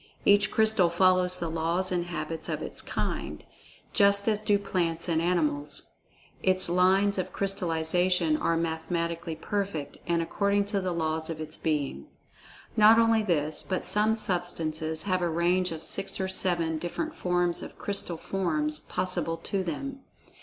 Each crystal follows the laws and habits of its kind, just as do plants and animals. Its lines of crystallization are mathematically perfect, and according to the laws of its being. Not only this, but some substances have a range of six or seven different forms of crystal forms possible to them.